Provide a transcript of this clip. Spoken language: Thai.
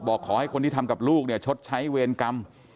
ขอให้คนที่ทำกับลูกเนี่ยชดใช้เวรกรรม